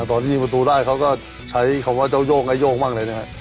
ตอนที่ประตูได้เขาก็ใช้คำว่าเจ้าโยกให้โยกบ้างเลยนะครับ